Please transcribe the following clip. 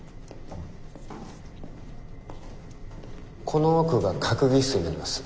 この奥が閣議室になります。